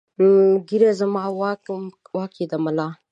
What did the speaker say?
ږېره زما واک ېې د ملا